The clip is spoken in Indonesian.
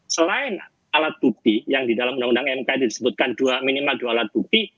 selain alat bukti yang di dalam undang undang mk itu disebutkan minimal dua alat bukti